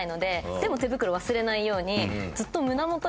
でも手袋忘れないように。